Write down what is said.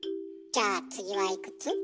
じゃあ次はいくつ？